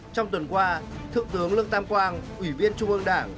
trong tuần qua thượng tướng lương tam quang ủy viên trung ương đảng